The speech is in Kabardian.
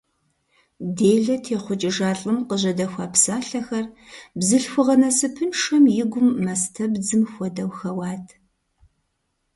Делэ техъукӏыжа лӏым къыжьэдэхуа псалъэхэр бзылъхугъэ насыпыншэм и гум, мастэпэбдзым хуэдэу, хэуат.